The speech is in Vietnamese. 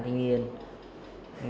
tôi chặn đe dọa chém